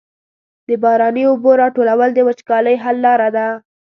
د باراني اوبو راټولول د وچکالۍ حل لاره ده.